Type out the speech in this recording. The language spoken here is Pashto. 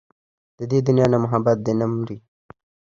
د دې دنيا نه محبت دې نه مري